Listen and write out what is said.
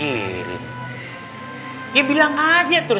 orang orang kemarin udah pada tau